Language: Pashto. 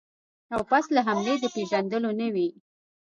او پس له حملې د پېژندلو نه وي.